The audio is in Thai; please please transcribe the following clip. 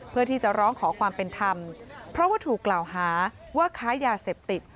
เพื่อที่จะร้องขอความเป็นธรรมเพราะว่าถูกกล่าวหาว่าค้ายาเสพติด